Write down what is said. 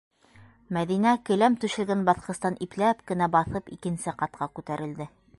Мәҙинә келәм түшәлгән баҫҡыстан ипләп кенә баҫып икенсе ҡатҡа күтәрелде.